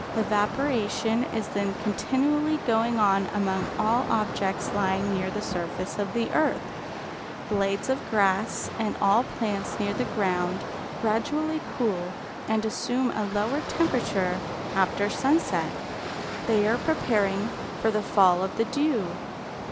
Evaporation is then continually going on among all objects lying near the surface of the earth. Blades of grass and all plants near the ground gradually cool and assume a lower temperature after sunset; they are preparing for the fall of the dew.